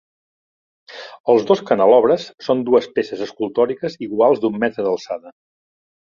Els dos canelobres són dues peces escultòriques iguals d'un metre d'alçada.